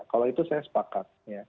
kalau itu saya sepakat